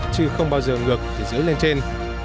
chứ không bao giờ ngược từ dưới lên trên